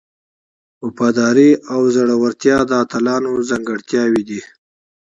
وفاداري او زړورتیا د اتلانو ځانګړتیاوې دي.